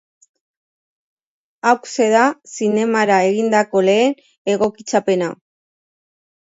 Hauxe da zinemara egindako lehen egokitzapena.